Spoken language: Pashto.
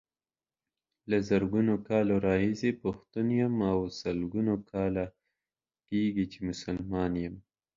له زرګونو کلونو راهيسې پښتون يم او سلګونو کاله کيږي چې مسلمان يم.